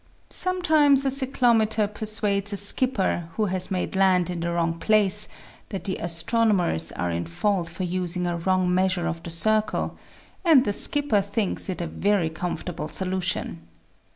Some times a cyclometer persuades a skipper, who has made land in the wrong place, that the astronomers are in fault for using a wrong measure of the circle ; and the skipper thinks it a very comfortable solution!